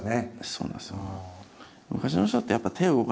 そうなんですよ。